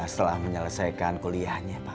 setelah menyelesaikan kuliahnya pak